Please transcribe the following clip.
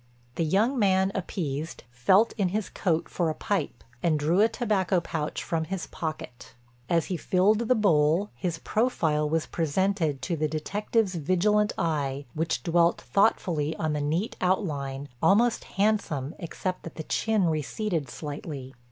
The young man appeased, felt in his coat for a pipe and drew a tobacco pouch from his pocket. As he filled the bowl, his profile was presented to the detective's vigilant eye, which dwelt thoughtfully on the neat outline, almost handsome except that the chin receded slightly.